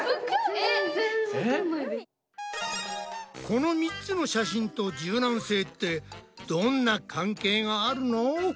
この３つの写真と柔軟性ってどんな関係があるの？